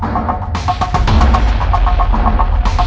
gimana gue mau istirahat mau tiduuur stock